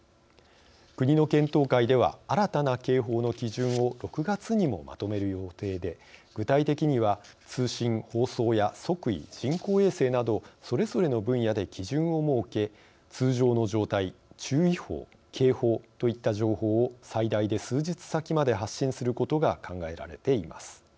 国の検討会では新たな警報の基準を６月にもまとめる予定で具体的には、通信・放送や測位人工衛星などそれぞれの分野で基準を設け「通常の状態」「注意報」「警報」といった情報を最大で数日先まで発信することが考えられています。